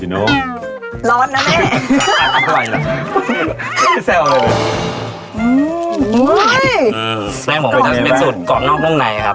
ร้อนนะแม่ไม่แซวเลยอื้ออื้อแป้งของผมเป็นสูตรกรอบนอกนุ่มในครับ